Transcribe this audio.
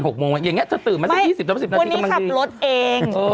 หกโมงอย่างเงี้ยถ้าตื่นมาสักยี่สิบสักสิบนาทีวันนี้ขับรถเองเออ